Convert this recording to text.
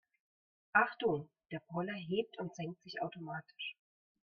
Achtung, der Poller hebt und senkt sich automatisch.